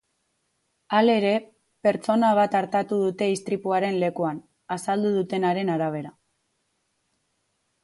Halere, pertsona bat artatu dute istripuaren lekuan, azaldu dutenaren arabera.